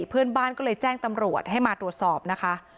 เพื่อนบ้านก็เลยแจ้งตำรวจให้มาตรวจสอบนะคะ